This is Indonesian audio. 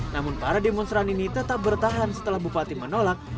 namun para demonstran ini tetap bertahan setelah bupati menolak